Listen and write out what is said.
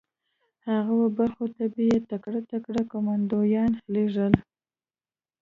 هغو برخو ته به یې تکړه تکړه کمانډویان لېږل